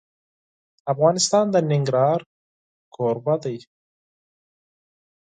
افغانستان د ننګرهار کوربه دی.